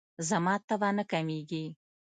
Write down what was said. زما تبه نه کمیږي.